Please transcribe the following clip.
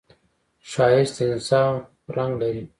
ښایست د انصاف رنګ لري